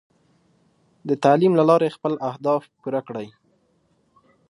د تعلیم له لارې خپل اهداف پوره کړئ.